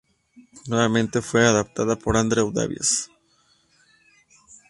Nuevamente fue adaptada por Andrew Davies.